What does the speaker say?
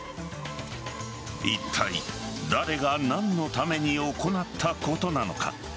いったい、誰が何のために行ったことなのか。